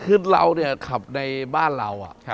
คือเราเนี่ยขับในบ้านเรา